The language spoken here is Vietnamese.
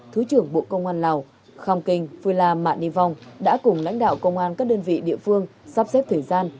thứ trưởng bộ công an lào khong kinh phuê la mạ ni vong đã cùng lãnh đạo công an các đơn vị địa phương sắp xếp thời gian